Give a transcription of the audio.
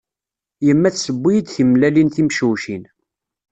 Yemma tseww-iyi-d timellalin timcewcin.